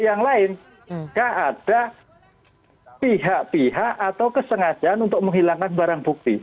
yang lain jika ada pihak pihak atau kesengajaan untuk menghilangkan barang bukti